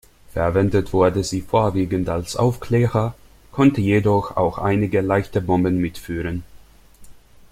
Verwendet wurde sie vorwiegend als Aufklärer, konnte jedoch auch einige leichte Bomben mitführen.